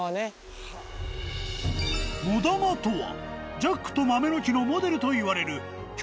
ジャックと豆の木」のモデルといわれる霏腓